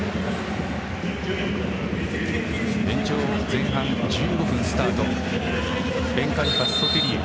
延長前半１５分スタート。